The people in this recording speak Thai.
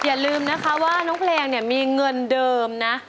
อย่าลืมนะคะว่าน้องเพลงเนี่ยมีเงินเดิมนะ